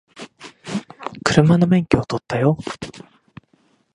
車の免許取ったよ